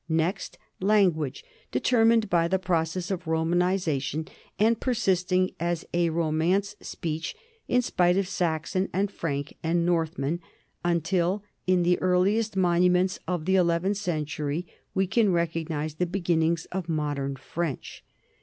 Next, lan guage, determined by the process of Romanization and persisting as a Romance speech in spite of Saxon and Frank and Northman, until in the earliest monuments of the eleventh century we can recognize the beginnings of modern French.